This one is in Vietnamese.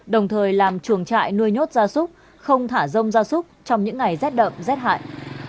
đồng thời làm chuồng trại nuôi nhốt gia súc không thả rông gia súc trong những ngày rét đậm rét hại